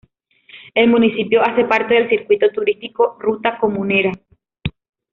El municipio hace parte del circuito turístico Ruta Comunera.